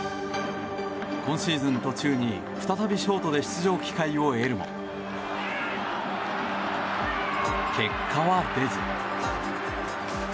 今シーズン途中に再びショートで出場機会を得るも、結果は出ず。